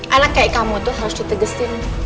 anak kayak kamu tuh harus ditegesin